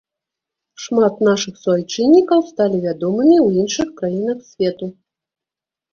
Шмат нашых суайчыннікаў сталі вядомымі ў іншых краінах свету.